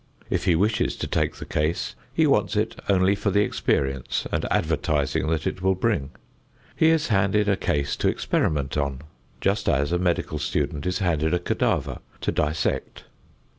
If he wishes to take the case, he wants it only for the experience and advertising that it will bring. He is handed a case to experiment on, just as a medical student is handed a cadaver to dissect.